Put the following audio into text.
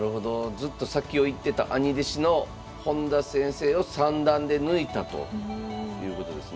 ずっと先を行ってた兄弟子の本田先生を三段で抜いたということですね。